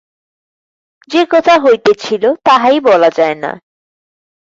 যে কথা হইতেছিল তাহাই বল না।